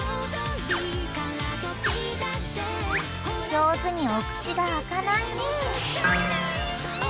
［上手にお口が開かないね］